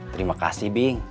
terima kasih bing